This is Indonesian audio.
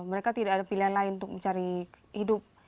mereka tidak ada pilihan lain untuk mencari hidup